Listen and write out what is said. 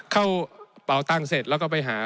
เข้าเป่าตังเสร็จแล้วก็ไปหา